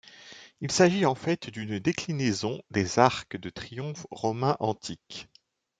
Il s'agit en fait d'une déclinaison des arcs de triomphe romains antiques.